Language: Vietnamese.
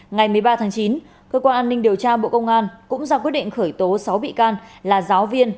ngày một mươi ba tháng chín cơ quan an ninh điều tra bộ công an cũng ra quyết định khởi tố sáu bị can là giáo viên